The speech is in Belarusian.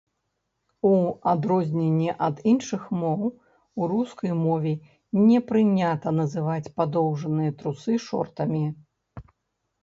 У адрозненне ад іншых моў, у рускай мове не прынята называць падоўжаныя трусы шортамі.